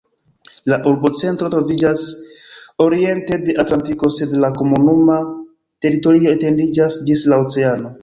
La urbocentro troviĝas oriente de Atlantiko, sed la komunuma teritorio etendiĝas ĝis la oceano.